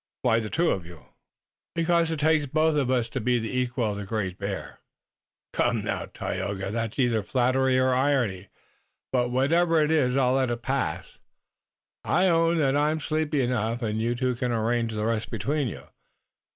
"Why the two of you?" "Because it takes both of us to be the equal of the Great Bear." "Come, now, Tayoga, that's either flattery or irony, but whatever it is I'll let it pass. I'll own that I'm sleepy enough and you two can arrange the rest between you."